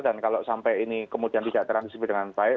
dan kalau sampai ini kemudian tidak terang disini dengan baik